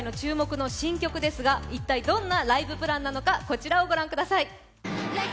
今回の注目の新曲ですが一体、どんなライブプランなのかこちらを御覧ください。